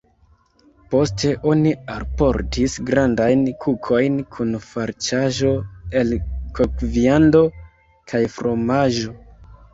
Poste oni alportis grandajn kukojn kun farĉaĵo el kokviando kaj fromaĝo.